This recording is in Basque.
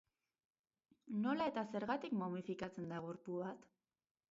Nola eta zergatik momifikatzen da gorpu bat?